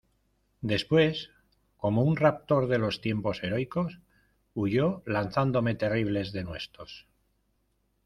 después, como un raptor de los tiempos heroicos , huyó lanzándome terribles denuestos.